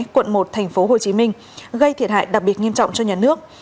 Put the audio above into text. quận một tp hcm gây thiệt hại đặc biệt nghiêm trọng cho nhà nước